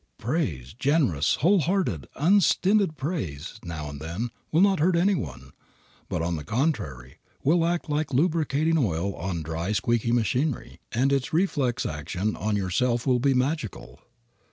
Praise, generous, whole hearted, unstinted praise, now and then, will not hurt any one, but, on the contrary, will act like lubricating oil on dry squeaky machinery, and its reflex action on yourself will be magical.